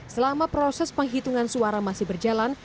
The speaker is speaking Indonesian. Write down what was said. selama proses penghitungan suara masih berjalan